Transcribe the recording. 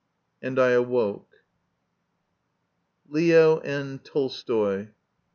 " And I awoke. Lyof N. Tolstoi. 1882.